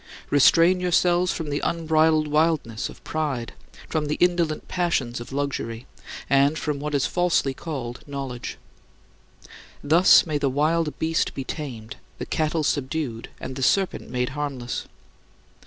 Restrain yourselves from the unbridled wildness of pride, from the indolent passions of luxury, and from what is falsely called knowledge. Thus may the wild beast be tamed, the cattle subdued, and the serpent made harmless.